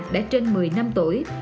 đã trên một mươi năm tuổi